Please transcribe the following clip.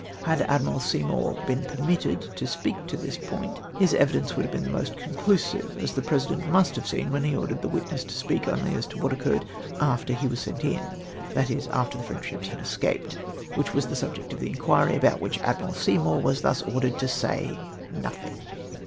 Had Admiral Seymour been permitted to speak to this point, his evidence woidd have been most WIIIOH WAS THE MATTER TO BE INQUIRED INTO 53 conclusive, as the President must have seen when he ordered the witness to speak only as to what occurred after he was sent in ; that is, after the French ships had escaped, which was the subject of inquiry, about Avhich Admu al Seymour was thus ordered to say nothing'